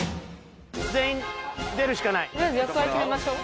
全員出るしかない。